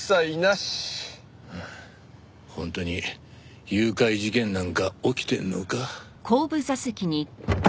本当に誘拐事件なんか起きてんのか？